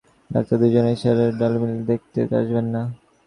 Doctor দুজনার ইচ্ছে ছিল আর ভ্যালডিমারকে দেখতে আসবেন না।